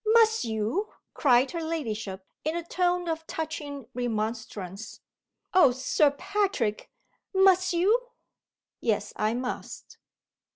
"Must you?" cried her ladyship, in a tone of touching remonstrance. "Oh, Sir Patrick, must you?" "Yes. I must."